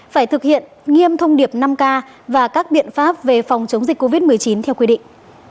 phải thực hiện nghiêm thông điệp năm k và các biện pháp về phòng chống dịch covid một mươi chín theo quy định